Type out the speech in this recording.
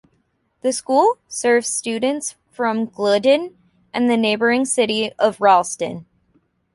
The school serves students from Glidden and the neighboring city of Ralston.